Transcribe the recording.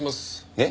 えっ？